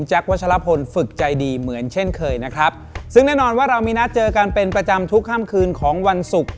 วัชลพลฝึกใจดีเหมือนเช่นเคยนะครับซึ่งแน่นอนว่าเรามีนัดเจอกันเป็นประจำทุกค่ำคืนของวันศุกร์